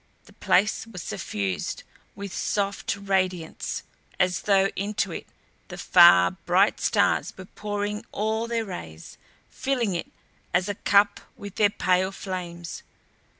The place was suffused with a soft radiance as though into it the far, bright stars were pouring all their rays, filling it as a cup with their pale flames.